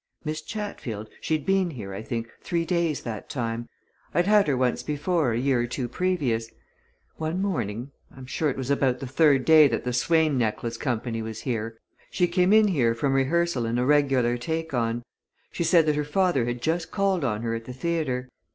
"Miss Chatfield, she'd been here, I think, three days that time I'd had her once before a year or two previous. One morning I'm sure it was about the third day that the Swayne Necklace Company was here she came in from rehearsal in a regular take on. She said that her father had just called on her at the theatre.